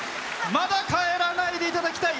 まだ帰らないでいただきたい！